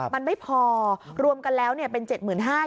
มันไม่พอรวมกันแล้วเป็น๗๕๐๐บาท